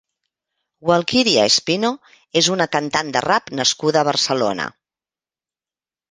Walkiria Espino és una cantant de rap nascuda a Barcelona.